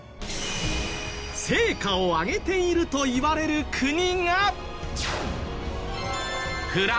成果を上げているといわれる国が。